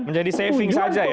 menjadi saving saja ya